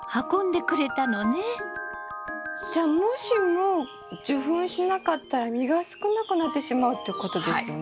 じゃあもしも受粉しなかったら実が少なくなってしまうってことですよね。